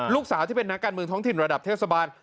ลูกสาวที่เป็นนักการเมืองท้องถิ่นระดับเทศบาล